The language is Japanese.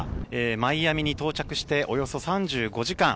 マイアミに到着しておよそ３５時間。